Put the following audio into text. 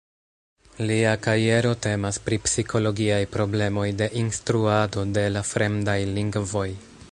Lia kajero temas pri psikologiaj problemoj de instruado de la fremdaj lingvoj.